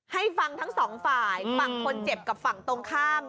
ให้ฟังทั้งสองฝ่ายฝั่งคนเจ็บกับฝั่งตรงข้าม